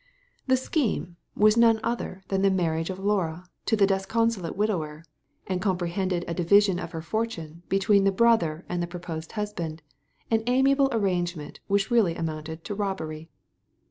The scheme was none other than the marriage of Laura to the disconsolate widower, and comprehended a division of her fortune between the brother and the proposed husband, an amiable arrangement which really amounted to robbery.